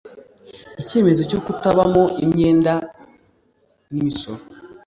Icyemezo cyo kutabamo imyenda y imisoro